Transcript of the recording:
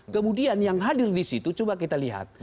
kemudian yang hadir di situ coba kita lihat